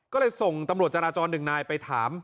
ก็เลยส่งตำรวจจราจรหนึ่งนายไปถาม